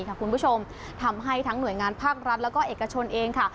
ครับคุณผู้ชมทำให้ทั้งหน่วยงานภาครัฐและเอกชนเอง